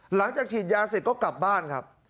หลังจากฉีดยาเสร็จก็กลับบ้านครับ